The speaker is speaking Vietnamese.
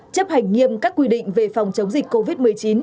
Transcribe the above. chấp hành nghiêm các quy định về phòng chống dịch covid một mươi chín